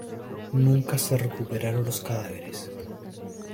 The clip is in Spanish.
Nunca se recuperaron los cadáveres.